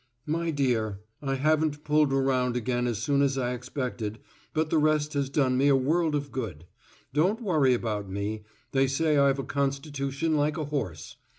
_My dear, I haven't pulled around again as soon as I expected, but the rest has done me a world of good. Don't worry about me they say I've a constitution like a horse.